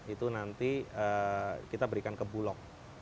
itu nanti kita berikan ke bulog